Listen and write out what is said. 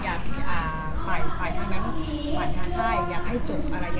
ถ้าจะเคลียร์กันต้องอย่างนี้หรือว่ามีแค่สัญญาณเดี๋ยวจะยกเลิก